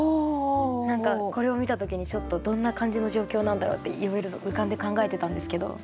何かこれを見た時にちょっとどんな感じの状況なんだろうっていろいろと浮かんで考えてたんですけど。